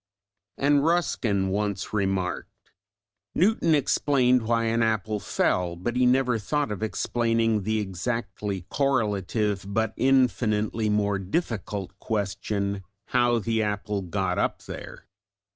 And Ruskin once remarked: "Newton explained why an apple fell, but he never thought of explaining the exactly correlative, but infinitely more difficult question, how the apple got up there."